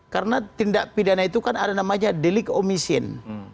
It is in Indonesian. karena tindak pidana itu kan ada namanya delik omisien